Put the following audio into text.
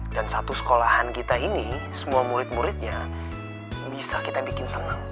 dan satu sekolahan kita ini semua murid muridnya bisa kita bikin senang